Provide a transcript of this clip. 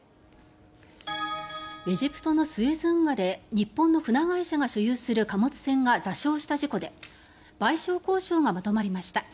エジプトのスエズ運河で日本の船会社が所有する貨物船が座礁した事故で賠償交渉がまとまりました。